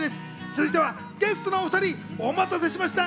続いてはゲストのお２人をお待たせしました。